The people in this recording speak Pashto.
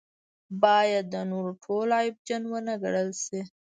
باید د نورو ټول عیبجن ونه ګڼل شي.